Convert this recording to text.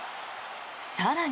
更に。